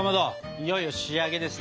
いよいよ仕上げですね。